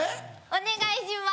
お願いします。